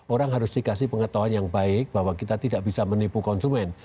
orang harus dikasih pengetahuan yang baik bahwa kita tidak bisa menipu konsumen